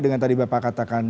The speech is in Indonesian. dengan tadi bapak katakan